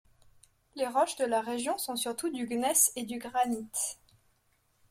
Les roches de la région sont surtout du gneiss et du granit.